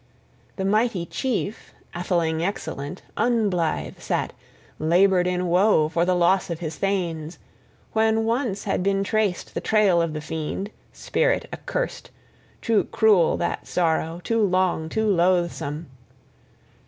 The mighty chief, atheling excellent, unblithe sat, labored in woe for the loss of his thanes, when once had been traced the trail of the fiend, spirit accurst: too cruel that sorrow, too long, too loathsome.